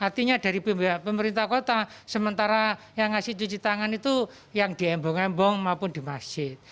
artinya dari pemerintah kota sementara yang ngasih cuci tangan itu yang di embong embong maupun di masjid